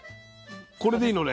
これでいいのね。